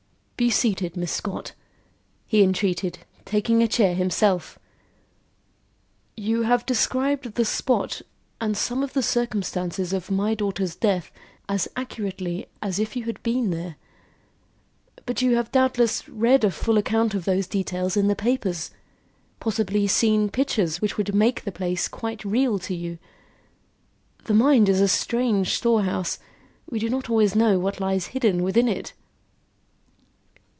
"Be seated, Miss Scott," he entreated, taking a chair himself. "You have described the spot and some of the circumstances of my daughter's death as accurately as if you had been there. But you have doubtless read a full account of those details in the papers; possibly seen pictures which would make the place quite real to you. The mind is a strange storehouse. We do not always know what lies hidden within it."